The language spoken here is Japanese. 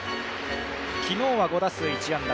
昨日は５打数１安打。